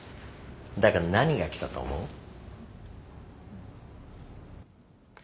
だが何が来たと思う？